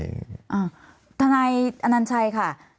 อ้าวทานายอันาจฉัยค่ะ